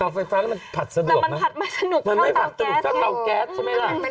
เตาไฟฟ้าแล้วมันผัดสะดวกนะแต่มันผัดไม่สนุกเข้าเตาแก๊สใช่ไหมล่ะ